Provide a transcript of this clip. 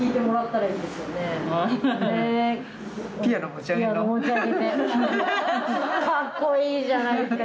かっこいいじゃないですか。